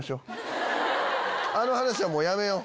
あの話はやめよう。